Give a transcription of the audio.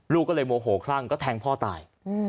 ลูกก็เลยโมโหคลั่งก็แทงพ่อตาย